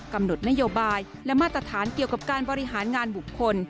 กำหนดนโยบายและมาตรฐานเกี่ยวกับการบริหารงานบุคคล